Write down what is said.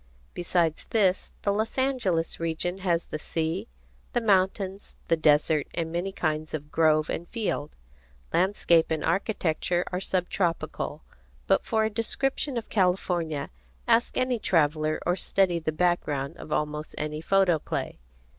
Besides this, the Los Angeles region has the sea, the mountains, the desert, and many kinds of grove and field. Landscape and architecture are sub tropical. But for a description of California, ask any traveller or study the background of almost any photoplay.